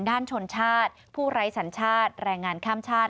ชนชาติผู้ไร้สัญชาติแรงงานข้ามชาติ